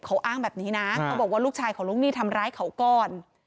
เขาอ้างแบบนี้นะเขาบอกว่าลูกชายของลูกหนี้ทำร้ายเขาก่อน